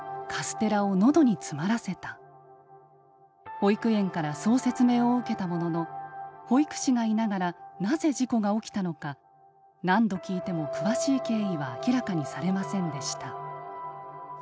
保育園からそう説明を受けたものの保育士がいながらなぜ事故が起きたのか何度聞いても詳しい経緯は明らかにされませんでした。